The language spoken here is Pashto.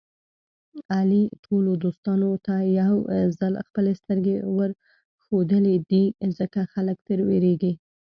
علي ټولو دوستانو ته یوځل خپلې سترګې ورښودلې دي. ځکه خلک تر وېرېږي.